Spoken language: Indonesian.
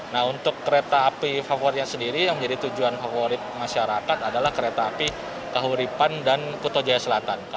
nah untuk kereta api favoritnya sendiri yang menjadi tujuan favorit masyarakat adalah kereta api kahuripan dan kuto jaya selatan